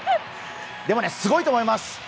でもね、すごいと思います！